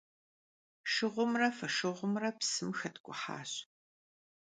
Şşığumre foşşığumre psım xetk'uhaş.